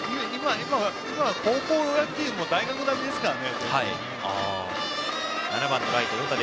今は高校野球も大学並みですから。